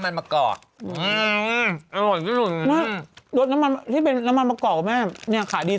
มัน๑๒ด้วย๑๒มันมีโปรก่อนไหม